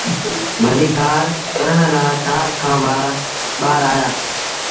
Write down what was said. ڀليٚڪآر ڪرڻ لآ شآهر کآݩ ٻآهر آيآ۔